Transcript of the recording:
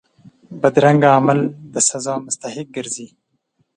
بدرنګه عمل د سزا مستحق ګرځي